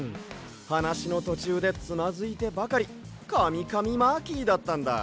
はなしのとちゅうでつまずいてばかりカミカミマーキーだったんだ。